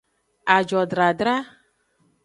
Ajodradra.